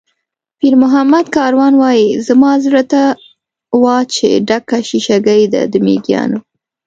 پیرمحمد کاروان وایي: "زما زړه ته وا چې ډکه شیشه ګۍ ده د مېږیانو".